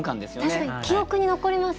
確かに記憶に残りますね。